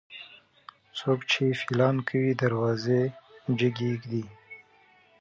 څوک چې پيلان کوي، دروازې لوړي اېږدي.